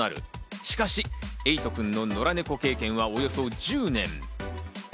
しかし、エイトくんの野良ネコ経験はおよそ１０年。